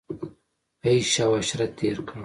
عیش او عشرت تېر کړ.